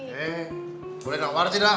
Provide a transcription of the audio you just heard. eh boleh nambah lagi dah